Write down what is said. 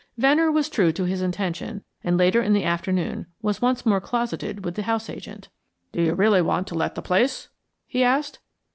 Venner was true to his intention, and later in the afternoon was once more closeted with the house agent. "Do you really want to let the place?" he asked.